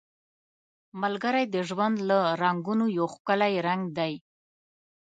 ملګری د ژوند له رنګونو یو ښکلی رنګ دی